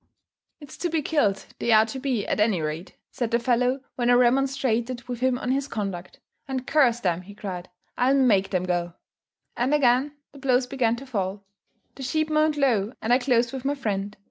"It's to be killed, they are to be, at any rate," said the fellow when I remonstrated with him on his conduct; "and, curse them," he cried, "I'll make them go." And again the blows began to fall. The sheep moaned low, and I closed with my friend.